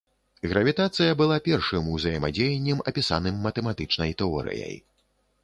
Гравітацыя была першым узаемадзеяннем, апісаным матэматычнай тэорыяй.